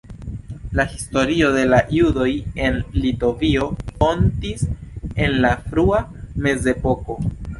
La historio de la judoj en Litovio fontis en la frua mezepoko.